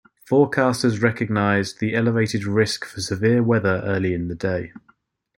Forecasters recognized the elevated risk for severe weather early in the day.